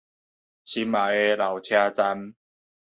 心愛的老車站